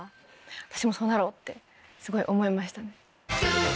私もそうなろう」ってすごい思いましたね。